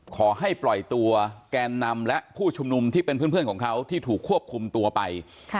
ขอให้ปล่อยตัวแกนนำและผู้ชุมนุมที่เป็นเพื่อนของเขาที่ถูกควบคุมตัวไป